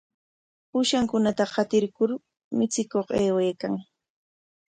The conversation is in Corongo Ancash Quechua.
Ushankunata qatirkur michikuq aywaykan.